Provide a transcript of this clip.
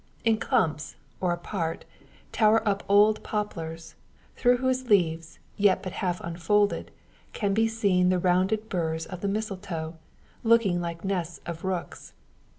In clumps, or apart, tower up old poplars, through whose leaves, yet but half unfolded, can be seen the rounded burrs of the mistletoe, looking like nests of rooks.